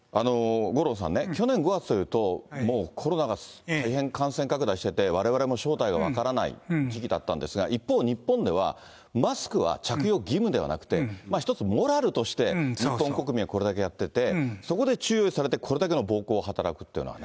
五郎さんね、去年５月というと、もうコロナが大変感染拡大していて、われわれも正体は分からない時期だったんですが、一方、日本ではマスクは着用義務ではなくて、一つモラルとして、日本国民はこれだけやってて、そこで注意されてこれだけの暴行を働くというのはね。